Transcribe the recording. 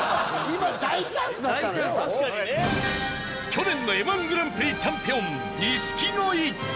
去年のＭ−１グランプリチャンピオン錦鯉。